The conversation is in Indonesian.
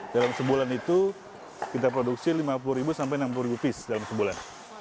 dalam sebulan itu kita produksi lima puluh sampai enam puluh piece dalam sebulan